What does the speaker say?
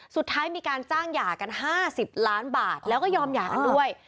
สุดท้ายมีการจ้างหย่ากัน๕๐ล้านบาทแล้วก็ยอมหย่ากันด้วย